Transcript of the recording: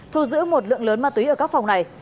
thu giữ một lượng lớn ma túy ở các phòng này